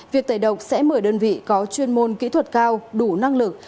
việc tẩy độc sẽ mời đơn vị có chuyên môn kỹ thuật cao đủ năng lực